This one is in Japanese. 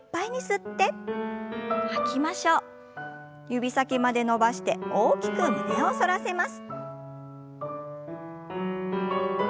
指先まで伸ばして大きく胸を反らせます。